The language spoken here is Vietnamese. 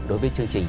đối với chương trình